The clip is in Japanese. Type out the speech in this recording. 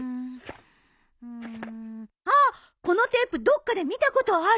あっこのテープどっかで見たことある！